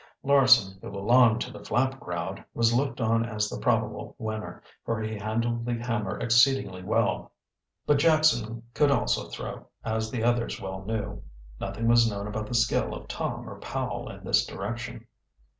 Larson, who belonged to the Flapp crowd, was looked on as the probable winner, for he handled the hammer exceedingly well. But Jackson could also throw, as the others well knew. Nothing was known about the skill of Tom or Powell in this direction.